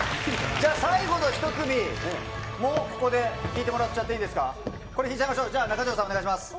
じゃあ、最後の１組も、ここで引いてもらっちゃっていいですか、これ、引いちゃいましょう、じゃあ、中条さん、お願いします。